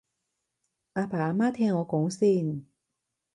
阿爸阿媽聽我講先